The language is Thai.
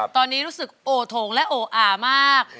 ตอนนี้รู้สึกโอโถงและโออามาก